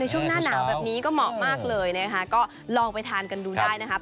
ช่วงหน้าหนาวแบบนี้ก็เหมาะมากเลยนะคะก็ลองไปทานกันดูได้นะครับ